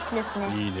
いいね。